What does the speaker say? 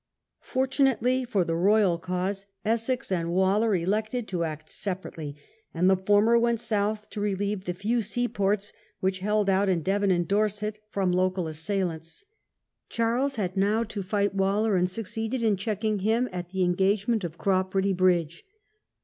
Fortunately for the Royal cause Essex and Waller elected to act separately, and the former went south to Royalist sue relieve the few seaports which held out in cess in the Devon and Dorset from local assailants. ^' Charles had now to fight Waller, and suc ceeded in checking him at the engagement of Cropredy Bridge.